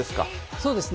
そうですね。